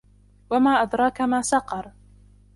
وَمَا أَدْرَاكَ مَا سَقَرُ